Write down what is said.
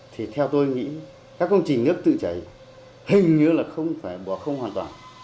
thì theo tôi nghĩ các công trình nước tự chảy hình như là không phải bỏ không hoàn toàn